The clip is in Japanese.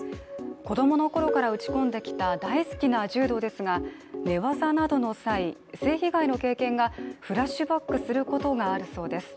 子供のころから打ち込んできた大好きな柔道ですが寝技などの際、性被害の経験がフラッシュバックすることがあるそうです。